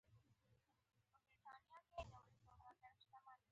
د یوې ورځې لپاره استعفا نه ورکووم.